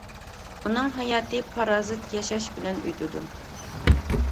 ئۇنىڭ ھاياتى پارازىت ياشاش بىلەن ئۆتىدۇ.